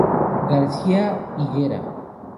García Higuera.